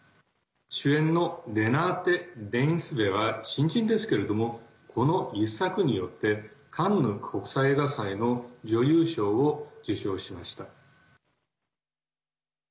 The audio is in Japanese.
主演のレナーテ・レインスヴェは新人ですけれどもこの一作によってカンヌ国際映画祭の女優賞を受賞しました。